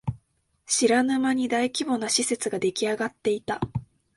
知らぬ間に大規模な施設ができあがっていた